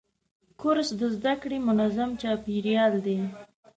کورس د زده کړې منظم چاپېریال دی.